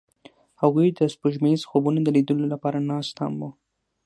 هغوی د سپوږمیز خوبونو د لیدلو لپاره ناست هم وو.